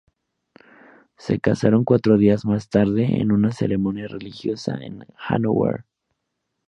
Se casaron cuatro días más tarde en una ceremonia religiosa en Hannover.